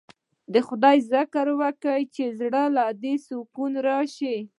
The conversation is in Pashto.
د خداى ذکر وکه چې زړه له دې سکون رايشي.